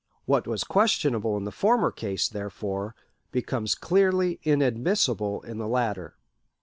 What was questionable in the former case, therefore, becomes clearly inadmissible in the latter.